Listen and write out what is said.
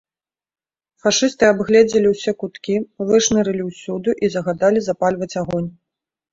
Фашысты абгледзелі ўсе куткі, вышнырылі ўсюды і загадалі запальваць агонь.